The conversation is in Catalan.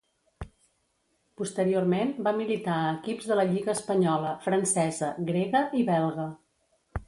Posteriorment va militar a equips de la lliga espanyola, francesa, grega i belga.